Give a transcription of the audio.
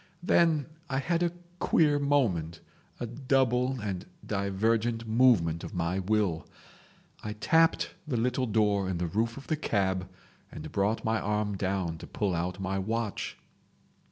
Then I had a queer moment, a double and divergent movement of my will: I tapped the little door in the roof of the cab, and brought my arm down to pull out my watch.